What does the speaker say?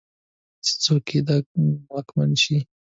چې څوک دې واکمن شي.